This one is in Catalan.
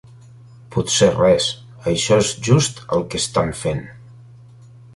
Potser res; això és just el que estan fent.